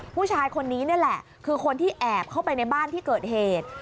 ผู้ชายคนนี้นี่แหละคือคนที่แอบเข้าไปในบ้านที่เกิดเหตุ